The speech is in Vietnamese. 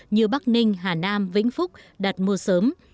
như bắc ninh hà nam vĩnh phúc đặt mua sớm